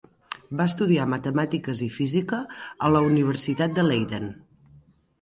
Va estudiar matemàtiques i física a la Universitat de Leiden.